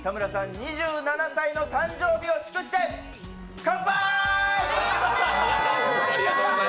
２７歳の誕生日を祝して、かんぱーい！